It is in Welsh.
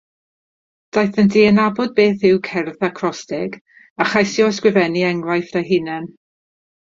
Daethant i adnabod beth yw cerdd acrostig a cheisio ysgrifennu enghraifft eu hunain